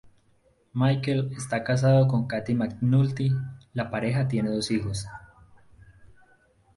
Michael está casado con Katie McNulty, la pareja tiene dos hijos.